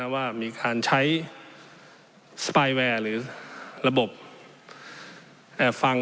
ว่ามีการใช้สปายแวร์หรือระบบฟัง